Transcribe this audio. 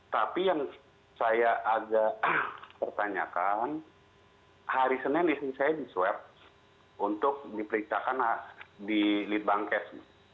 tapi yang saya agak pertanyakan hari senin ini saya di swab untuk diperiksakan di litbangkes